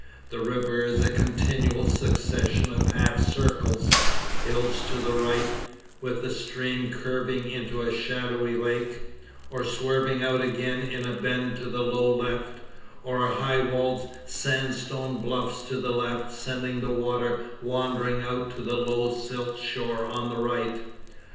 The river is a continual succession of half circles, hills to the right, with the stream curving into a shadowy lake, or swerving out again in a bend to the low left; or high walled sandstone bluffs to the left sending the water wandering out to the low silt shore on the right.